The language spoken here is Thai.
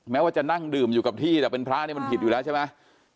ว่าจะนั่งดื่มอยู่กับที่แต่เป็นพระเนี่ยมันผิดอยู่แล้วใช่ไหม